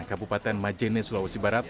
kabupaten majene sulawesi barat